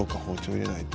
入れないと」